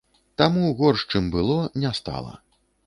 Таму горш, чым было, не стала.